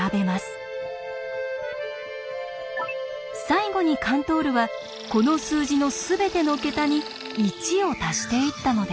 最後にカントールはこの数字のすべての桁に１を足していったのです。